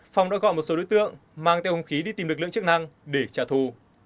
phong đã gọi một số đối tượng mang theo hông khí đi tìm lực lượng chức năng để trả thù